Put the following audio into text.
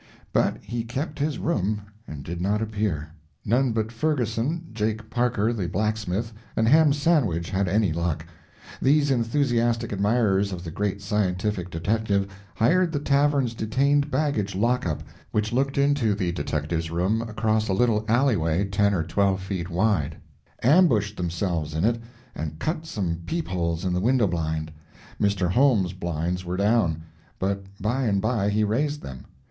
But he kept his room, and did not appear. None but Ferguson, Jake Parker the blacksmith, and Ham Sandwich had any luck. These enthusiastic admirers of the great scientific detective hired the tavern's detained baggage lockup, which looked into the detective's room across a little alleyway ten or twelve feet wide, ambushed themselves in it, and cut some peep holes in the window blind. Mr. Holmes's blinds were down; but by and by he raised them.